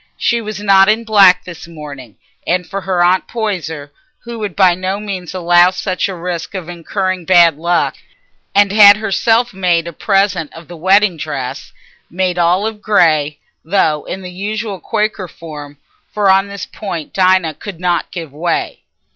She was not in black this morning, for her Aunt Poyser would by no means allow such a risk of incurring bad luck, and had herself made a present of the wedding dress, made all of grey, though in the usual Quaker form, for on this point Dinah could not give way.